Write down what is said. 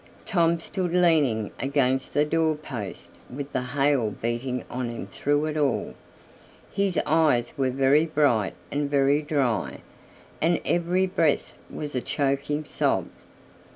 Tom stood leaning against the door post with the hail beating on him through it all. His eyes were very bright and very dry, and every breath was a choking sob.